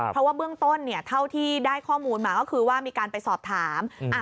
เพราะว่าเบื้องต้นเท่าที่ได้ข้อมูลมาก็คือว่ามีการไปสอบถาม